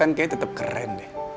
kayaknya tetap keren deh